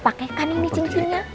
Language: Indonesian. pakaikan ini cincinnya